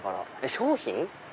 商品？